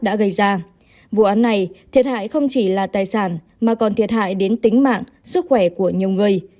đã gây ra vụ án này thiệt hại không chỉ là tài sản mà còn thiệt hại đến tính mạng sức khỏe của nhiều người